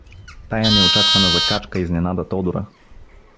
Тая неочаквана закачка изненада Тодора.